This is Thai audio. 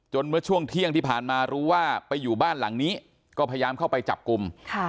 เมื่อช่วงเที่ยงที่ผ่านมารู้ว่าไปอยู่บ้านหลังนี้ก็พยายามเข้าไปจับกลุ่ม